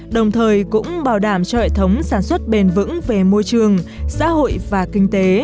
đồng thời cũng bảo đảm cho hệ thống sản xuất bền vững về môi trường xã hội và kinh tế